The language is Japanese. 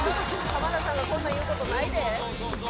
浜田さんがこんなん言うことないで・